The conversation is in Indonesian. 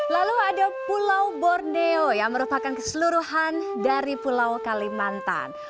lalu ada pulau borneo yang merupakan keseluruhan dari pulau kalimantan